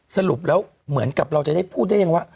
สรุปแล้วเหมือนกับเราจะได้พูดได้ยังว่า